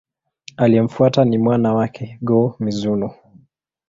Aliyemfuata ni mwana wake, Go-Mizunoo.